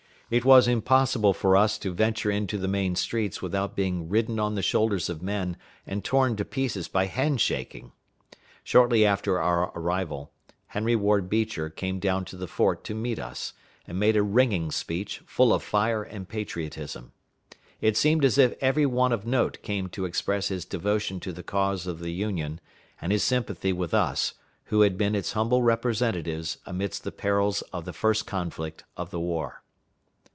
It was impossible for us to venture into the main streets without being ridden on the shoulders of men, and torn to pieces by hand shaking. Shortly after our arrival, Henry Ward Beecher came down to the fort to meet us, and made a ringing speech, full of fire and patriotism. It seemed as if every one of note called to express his devotion to the cause of the Union, and his sympathy with us, who had been its humble representatives amidst the perils of the first conflict of the war.